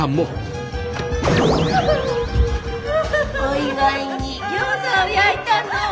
お祝いに餃子を焼いたの。